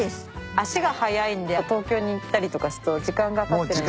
足が早いんで東京に行ったりとかすると時間がたってるんで。